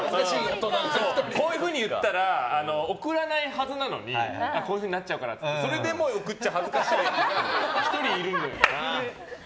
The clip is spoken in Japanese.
こういうふうに言ったら送らないはずなのにこういうふうになっちゃうからってそれでも送っちゃう恥ずかしい人が１人いるんじゃないかと。